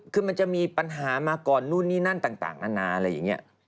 คือมันจะมีปัญหามาก่อนนู่นนี่นั่นต่างนานาอะไรอย่างนี้